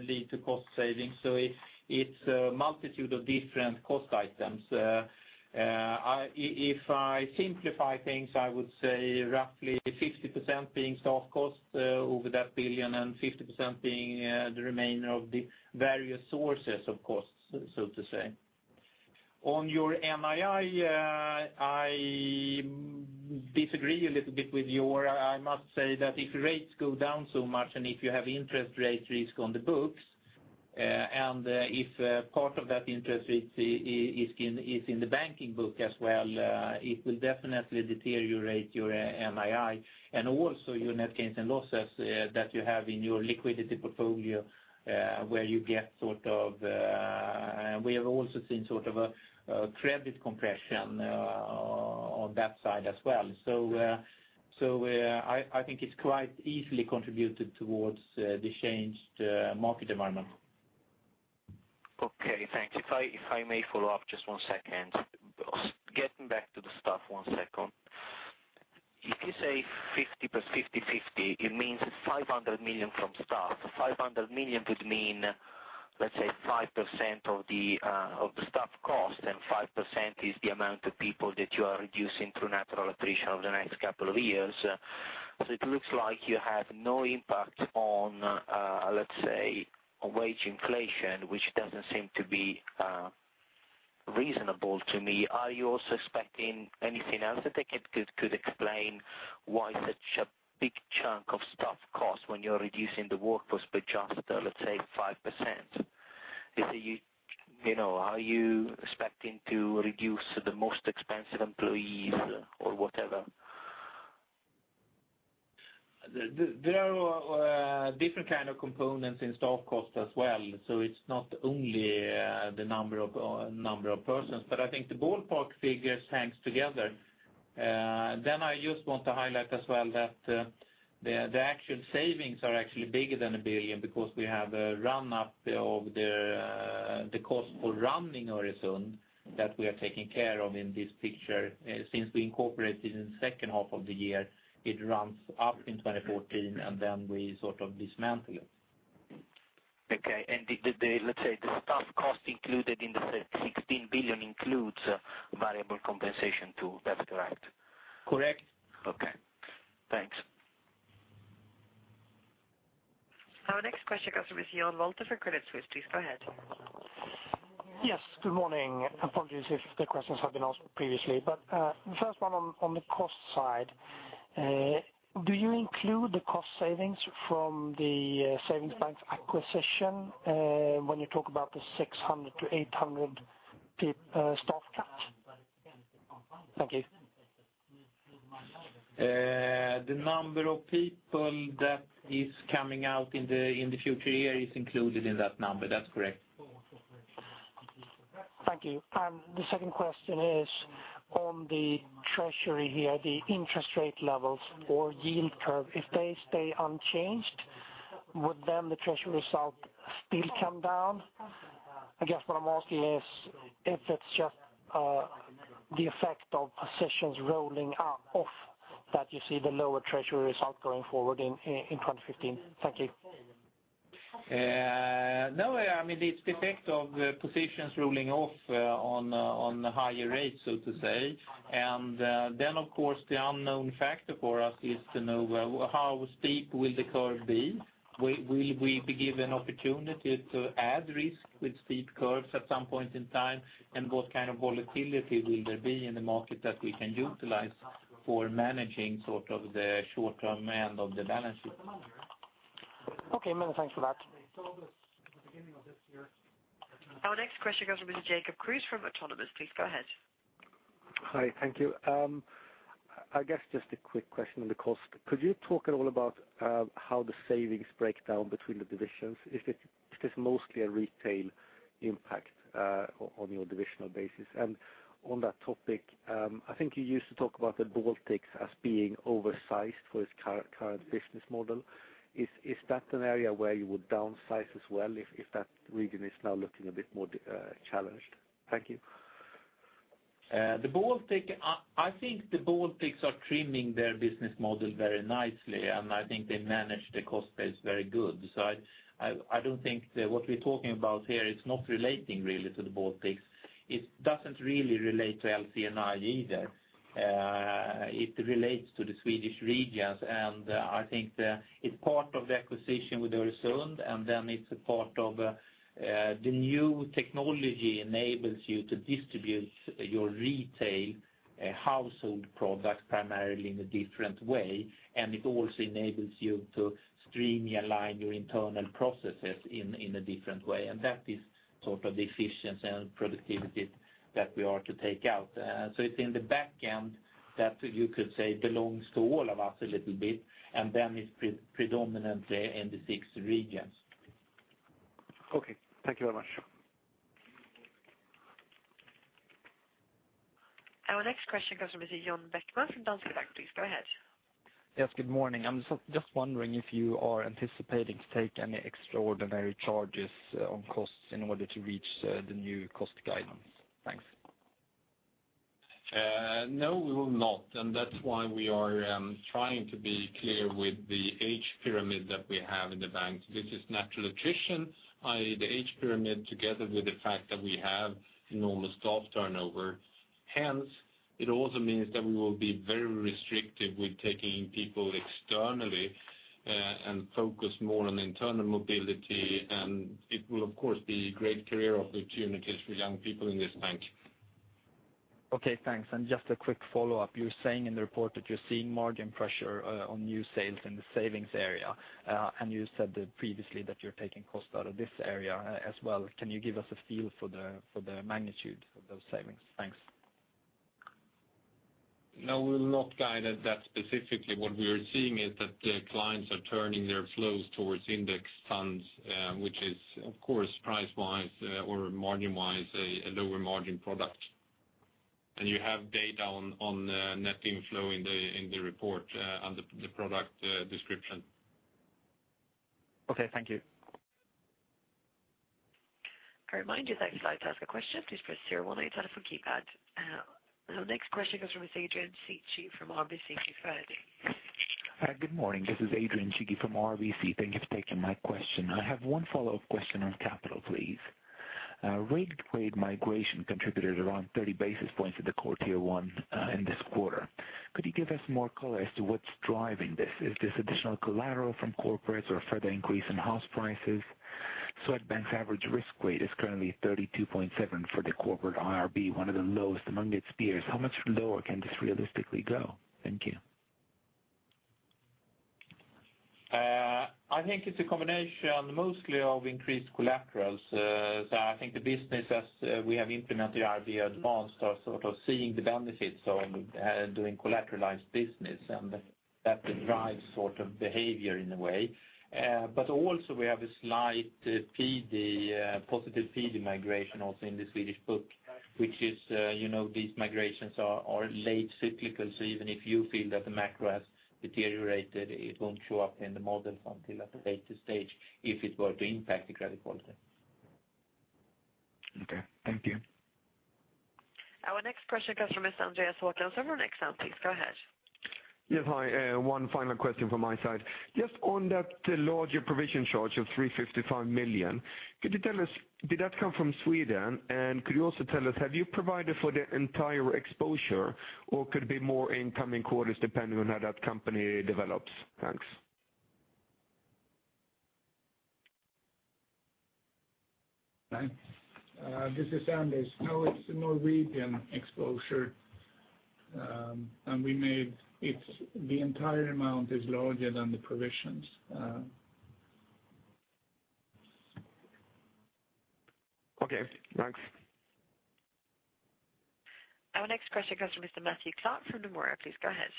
lead to cost savings. So it's a multitude of different cost items. If I simplify things, I would say roughly 50% being staff costs over that 1 billion, and 50% being the remainder of the various sources of costs, so to say. On your NII, I disagree a little bit with your. I must say that if rates go down so much, and if you have interest rate risk on the books, and if part of that interest rate is in the banking book as well, it will definitely deteriorate your NII, and also your net gains and losses that you have in your liquidity portfolio, where you get sort of. We have also seen sort of a credit compression on that side as well. So, I think it's quite easily contributed towards the changed market environment. Okay, thanks. If I, if I may follow up, just one second. Getting back to the staff one second. If you say 50%, 50/50, it means 500 million from staff. 500 million would mean, let's say, 5% of the of the staff cost, and 5% is the amount of people that you are reducing through natural attrition over the next couple of years. So it looks like you have no impact on, let's say, wage inflation, which doesn't seem to be reasonable to me. Are you also expecting anything else that could explain why such a big chunk of staff cost when you're reducing the workforce by just, let's say, 5%? Is it you, you know, are you expecting to reduce the most expensive employees or whatever? There are, different kind of components in staff cost as well, so it's not only, the number of persons. But I think the ballpark figures hangs together. Then I just want to highlight as well that, the, the actual savings are actually bigger than 1 billion, because we have a run-up of the, the cost for running Öresund that we are taking care of in this picture. Since we incorporated it in the second half of the year, it runs up in 2014, and then we sort of dismantle it. Okay. And let's say, the staff cost included in the 16 billion includes variable compensation, too. That's correct? Correct. Okay. Thanks. Our next question comes from Jan Wolter for Credit Suisse. Please go ahead. Yes, good morning. Apologies if the questions have been asked previously, but, the first one on, on the cost side. Do you include the cost savings from the savings bank's acquisition, when you talk about the 600-800 PE- staff cut? Thank you. The number of people that is coming out in the future year is included in that number. That's correct. Thank you. And the second question is on the treasury here, the interest rate levels or yield curve, if they stay unchanged, would then the treasury result still come down? I guess what I'm asking is if it's just the effect of positions rolling off that you see the lower treasury result going forward in 2015. Thank you. No, I mean, it's the effect of the positions rolling off on higher rates, so to say. And then, of course, the unknown factor for us is to know how steep will the curve be? Will we be given opportunity to add risk with steep curves at some point in time? And what kind of volatility will there be in the market that we can utilize for managing sort of the short-term end of the balance sheet? Okay, many thanks for that. Our next question comes from Jacob Kruse from Autonomous. Please go ahead. Hi, thank you. I guess just a quick question on the cost. Could you talk at all about, how the savings break down between the divisions? Is it, it is mostly a retail impact, on your divisional basis? And on that topic, I think you used to talk about the Baltics as being oversized for its current business model. Is that an area where you would downsize as well, if that region is now looking a bit more, challenged? Thank you. The Baltics, I think the Baltics are trimming their business model very nicely, and I think they manage the cost base very good. So I don't think that what we're talking about here is not relating really to the Baltics. It doesn't really relate to LC&I either. It relates to the Swedish regions, and I think it's part of the acquisition with Öresund, and then it's a part of the new technology enables you to distribute your retail household products primarily in a different way, and it also enables you to streamline your internal processes in a different way, and that is sort of the efficiency and productivity that we are to take out. So it's in the back end that you could say belongs to all of us a little bit, and then it's predominantly in the six regions. Okay, thank you very much. Our next question comes from Mr. John Bäckman from Danske Bank. Please go ahead. Yes, good morning. I'm just wondering if you are anticipating to take any extraordinary charges on costs in order to reach the new cost guidance? Thanks. No, we will not. And that's why we are trying to be clear with the age pyramid that we have in the bank. This is natural attrition, i.e., the age pyramid, together with the fact that we have enormous staff turnover. Hence, it also means that we will be very restrictive with taking in people externally, and focus more on internal mobility, and it will, of course, be great career opportunities for young people in this bank. Okay, thanks, and just a quick follow-up. You're saying in the report that you're seeing margin pressure on new sales in the savings area, and you said that previously that you're taking cost out of this area as well. Can you give us a feel for the magnitude of those savings? Thanks. No, we'll not guide at that specifically. What we are seeing is that the clients are turning their flows towards index funds, which is, of course, price-wise, or margin-wise, a lower margin product. And you have data on the net inflow in the report on the product description. Okay, thank you. I remind you that if you'd like to ask a question, please press star one on your telephone keypad. Our next question comes from Adrian Cighi from RBC. Friday. Hi, good morning. This is Adrian Cighi from RBC. Thank you for taking my question. I have one follow-up question on capital, please. Rate grade migration contributed around 30 basis points of the core Tier One in this quarter. Could you give us more color as to what's driving this? Is this additional collateral from corporates or a further increase in house prices? Swedbank's average risk rate is currently 32.7% for the corporate IRB, one of the lowest among its peers. How much lower can this realistically go? Thank you. I think it's a combination, mostly of increased collaterals. So I think the business, as we have implemented the IRB Advanced, are sort of seeing the benefits of doing collateralized business, and that drives sort of behavior in a way. But also we have a slight PD Positive PD Migration also in the Swedish book, which is, you know, these migrations are late cyclical. So even if you feel that the macro has deteriorated, it won't show up in the models until at a later stage, if it were to impact the credit quality. Okay, thank you. Our next question comes from Andreas Håkansson from Next Sound. Please go ahead. Yes, hi, one final question from my side. Just on that larger provision charge of 355 million, could you tell us, did that come from Sweden? And could you also tell us, have you provided for the entire exposure, or could it be more in coming quarters, depending on how that company develops? Thanks. Hi, this is Anders. No, it's a Norwegian exposure, and we made it. The entire amount is larger than the provisions. Okay, thanks. Our next question comes from Mr. Matthew Clark, from Nomura. Please go ahead.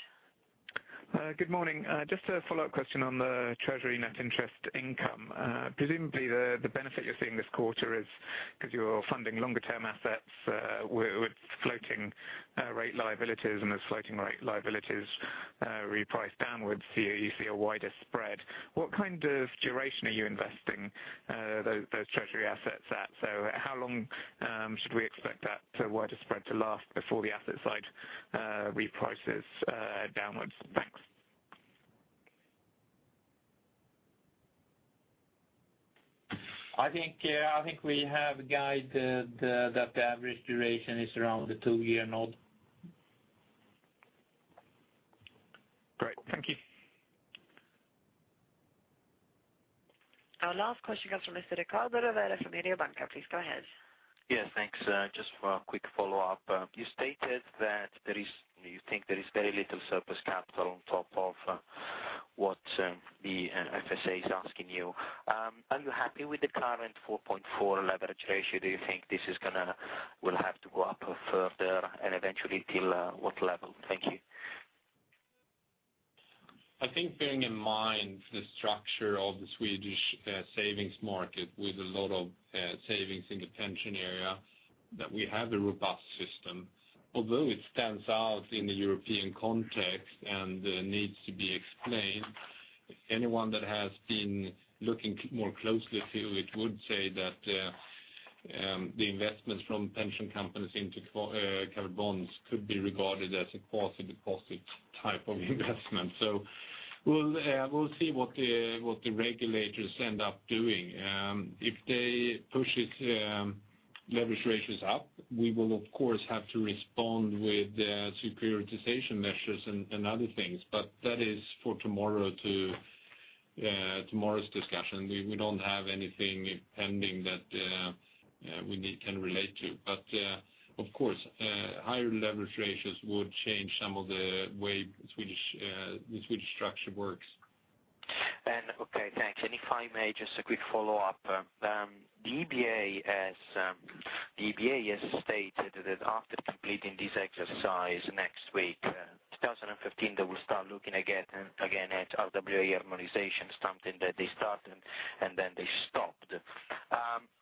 Good morning. Just a follow-up question on the treasury net interest income. Presumably, the benefit you're seeing this quarter is because you're funding longer-term assets with floating rate liabilities, and as floating rate liabilities reprice downwards, you see a wider spread. What kind of duration are you investing those treasury assets at? So how long should we expect that wider spread to last before the asset side reprices downwards? Thanks. I think, I think we have guided that the average duration is around the two-year node. Great, thank you. Our last question comes from Mr. Riccardo Rovere from Mediobanca. Please go ahead. Yeah, thanks. Just for a quick follow-up. You stated that there is, you think there is very little surplus capital on top of what the FSA is asking you. Are you happy with the current 4.4 leverage ratio? Do you think this will have to go up further and eventually till what level? Thank you. I think bearing in mind the structure of the Swedish savings market, with a lot of savings in the pension area, that we have a robust system. Although it stands out in the European context and needs to be explained, anyone that has been looking more closely to it would say that the investments from pension companies into covered bonds could be regarded as a quasi-deposit type of investment. So we'll we'll see what the what the regulators end up doing. If they push it leverage ratios up, we will, of course, have to respond with the prioritization measures and and other things, but that is for tomorrow to tomorrow's discussion. We we don't have anything pending that we need can relate to. Of course, higher leverage ratios would change some of the way the Swedish structure works. Okay, thanks. If I may, just a quick follow-up. The EBA has stated that after completing this exercise next week, 2015, they will start looking again at RWA harmonization, something that they started and then they stopped.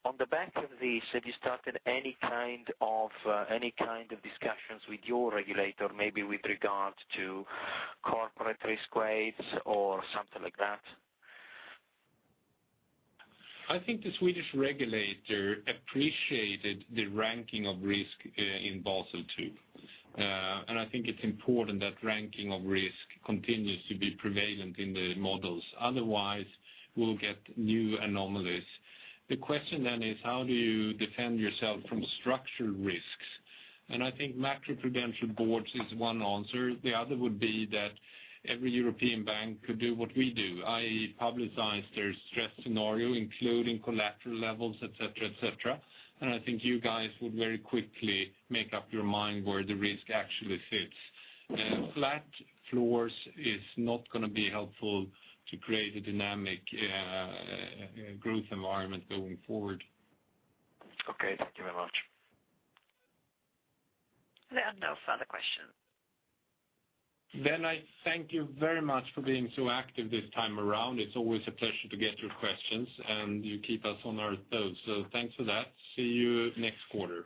On the back of this, have you started any kind of discussions with your regulator, maybe with regards to corporate risk rates or something like that? I think the Swedish regulator appreciated the ranking of risk, in Basel II. I think it's important that ranking of risk continues to be prevalent in the models. Otherwise, we'll get new anomalies. The question then is: How do you defend yourself from structured risks? And I think macroprudential boards is one answer. The other would be that every European bank could do what we do, i.e., publicize their stress scenario, including collateral levels, etc. And I think you guys would very quickly make up your mind where the risk actually sits. Flat floors is not gonna be helpful to create a dynamic growth environment going forward. Okay, thank you very much. There are no further questions. Then I thank you very much for being so active this time around. It's always a pleasure to get your questions, and you keep us on our toes. So thanks for that. See you next quarter.